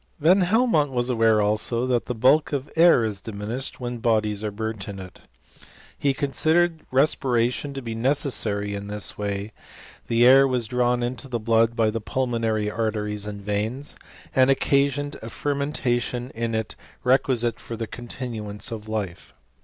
Van Helmont was aware, also, that the bulk of air is diminished when bodies are burnt in it. He considered respiration to be necessary in this way J the air was drawn into the blood by the pulmonary arteries and veins, and occasioned a fermentation id it requisite for the continuance of life.